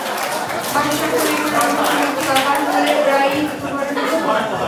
বাঁশের সাঁকো তৈরি করে কোনোমতে নদীটি পারাপার হলেও প্রায়ই ঘটে দুর্ঘটনা।